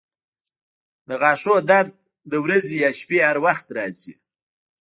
د غاښونو درد د ورځې یا شپې هر وخت راځي.